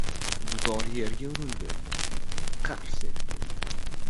Dutor yerga urildi... qars etdi.